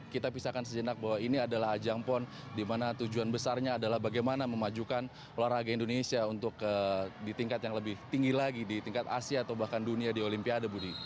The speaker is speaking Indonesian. kita pisahkan sejenak bahwa ini adalah ajang pon di mana tujuan besarnya adalah bagaimana memajukan olahraga indonesia untuk di tingkat yang lebih tinggi lagi di tingkat asia atau bahkan dunia di olimpiade budi